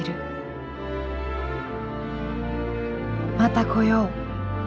また来よう！